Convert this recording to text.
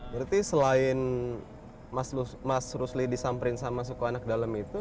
berarti selain mas rusli disamperin sama suku anak dalam itu